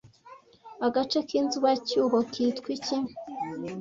Agace k'inzibacyuho kitwa iki